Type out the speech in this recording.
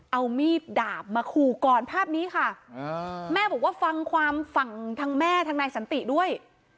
เอามีดดาบมาขู่ก่อนภาพนี้ค่ะแม่บอกว่าฟังความฝั่งทางแม่ทางนายสันติด้วย